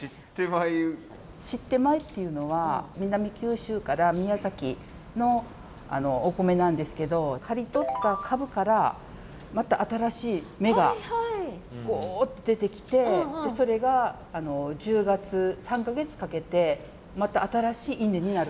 シッテ米っていうのは南九州から宮崎のお米なんですけど刈り取った株からまた新しい芽が出てきてそれが１０月３か月かけてまた新しい稲になるんです。